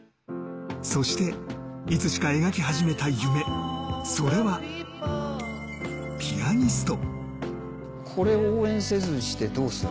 そしていつしか描き始めた夢、それはピアニスト。